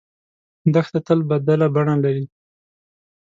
دښته تل بدله بڼه لري.